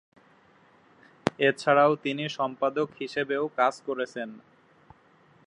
এছাড়া তিনি সম্পাদক হিসেবেও কাজ করেছেন।